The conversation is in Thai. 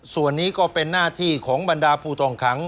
ส่วนนี้ก็เป็นหน้าที่ของบรรดาผู้ต้องขัง